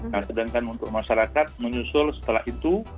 nah sedangkan untuk masyarakat menyusul setelah itu